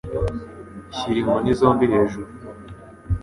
Shyira inkoni zombi hejuru.